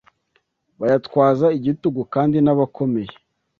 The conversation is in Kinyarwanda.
bayatwaza igitugu, kandi n’abakomeye